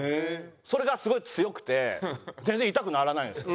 それがすごい強くて全然痛くならないんですよ。